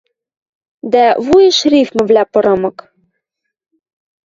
Дӓ, вуйыш рифмывлӓ пырымык